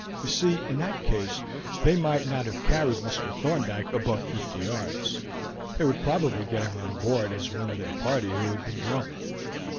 You see, in that case they might not have carried Mr. Thorndyke above fifty yards. They would probably get him on board as one of their party who had been drunk.